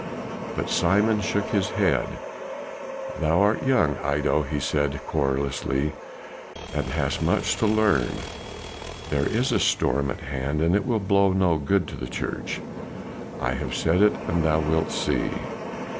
But Simon shook his head. "Thou art young, Iddo," he said querulously, "and hast much to learn. There is a storm at hand and it will blow no good to the church; I have said it, and thou wilt see.